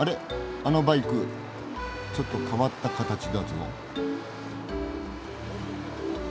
あのバイクちょっと変わった形だぞ。